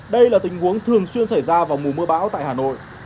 đây là tình huống thường xuyên xảy ra vào mùa mưa bão tại hà nội